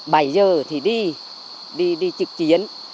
bảy giờ thì đi đi trực chiến